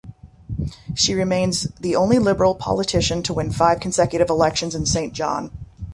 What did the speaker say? She remains the only Liberal politician to win five consecutive elections in Saint John.